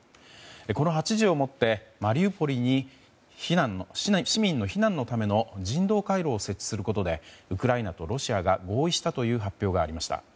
この８時をもってマリウポリに市民の避難のための人道回廊を設置することでウクライナとロシアが合意したという発表がありました。